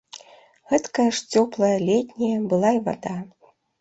Гэткая ж цёплая, летняя была і вада.